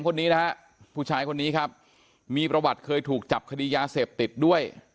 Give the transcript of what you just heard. คนนี้นะฮะผู้ชายคนนี้ครับมีประวัติเคยถูกจับคดียาเสพติดด้วย